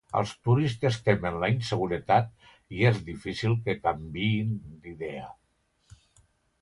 Els turistes temen la inseguretat i és difícil que canviïn d'idea.